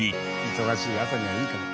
忙しい朝にはいいかも。